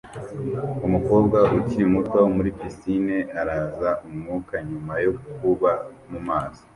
Umukobwa ukiri muto muri pisine araza umwuka nyuma yo kuba mumazi